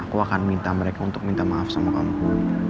aku akan minta mereka untuk minta maaf sama kamu